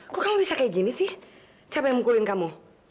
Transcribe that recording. kok kalau bisa kayak gini sih siapa yang mukulin kamu